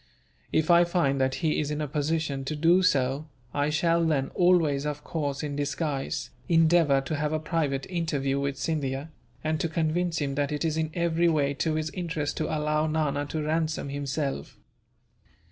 If I find that he is in a position to do so, I shall then always, of course, in disguise endeavour to have a private interview with Scindia, and to convince him that it is in every way to his interest to allow Nana to ransom himself.